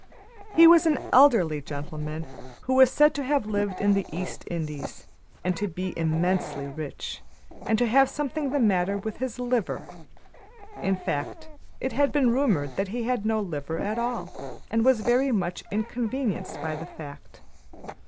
He was an elderly gentleman who was said to have lived in the East Indies, and to be immensely rich and to have something the matter with his liver, in fact, it had been rumored that he had no liver at all, and was much inconvenienced by the fact.